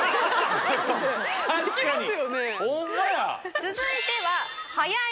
続いては。